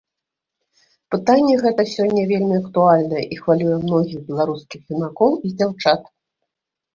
Пытанне гэта сёння вельмі актуальнае і хвалюе многіх беларускіх юнакоў і дзяўчат.